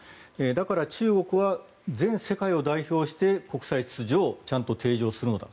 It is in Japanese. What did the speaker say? だから中国は全世界を代表して国際秩序をちゃんと啓上するのだ。